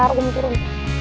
ntar gue mau turun